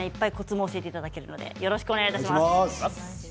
今日教えていただけるのでよろしくお願いします。